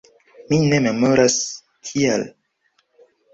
Mi ne memoras, kial.